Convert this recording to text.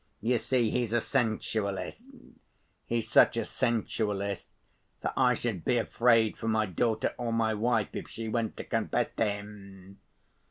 You see, he's a sensualist. He's such a sensualist that I should be afraid for my daughter or my wife if she went to confess to him.